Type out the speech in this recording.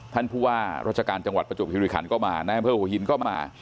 ท่านผู้ว่ารจการจังหวัดประจุบธิบดุลิขันฯก็มาแน่งเพิ่มหัวหินฯก็มา